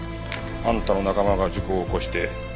あんたの仲間が事故を起こして。